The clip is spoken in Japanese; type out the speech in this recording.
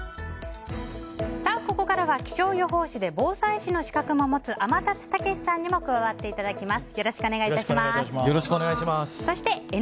ここからは気象予報士で防災士の資格も持つ天達武史さんにも加わっていただきます。